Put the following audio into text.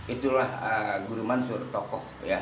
itulah guru mansur tokoh